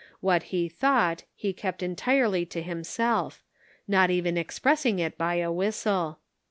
What he thought he kept entirely to himself, not even expressing it by a whistle.